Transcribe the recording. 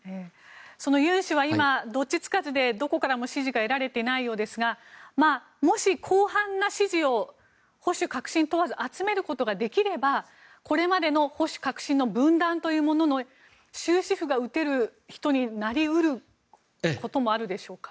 そのユン氏は今どっちつかずでどこからも支持が得られていないようですがもし、広範な支持を保守、革新問わず集めることができればこれまでの保守、革新の分断の終止符が打てる人になり得ることもあるでしょうか。